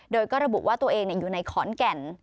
โดยก็ระบุว่าตัวเองอยู่ในขอนแก่น